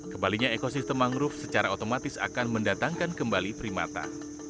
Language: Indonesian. kembalinya ekosistem mangrove secara otomatis akan mendatangkan kembali primata